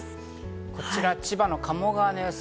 こちら千葉の鴨川の様子。